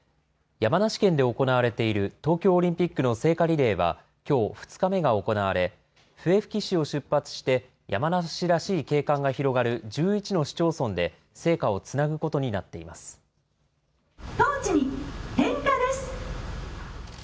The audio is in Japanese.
山梨県で行われている東京オリンピックの聖火リレーは、きょう、２日目が行われ、笛吹市を出発して、山梨らしい景観が広がる１１の市町村で、聖火をつなぐことになっています。